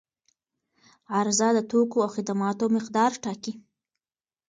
عرضه د توکو او خدماتو مقدار ټاکي.